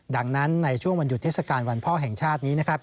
ดังนั้นในช่วงวันหยุดเทศกาลวันพ่อแห่งชาตินี้นะครับ